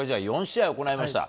４試合行いました。